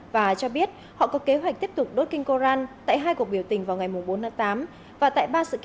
và cho biết họ có kế hoạch tiếp tục đốt kinh coran tại hai cuộc biểu tình vào ngày bốn tám